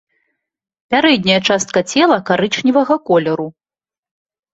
Пярэдняя частка цела карычневага колеру.